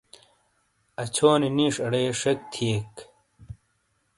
اچھو نی نِیش اڑے شیک تھیئیک۔